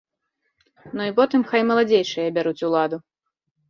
Ну і потым хай маладзейшыя бяруць уладу!